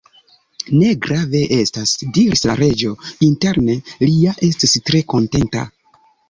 "Ne grave estas," diris la Reĝo. Interne, li ja estis tre kontenta.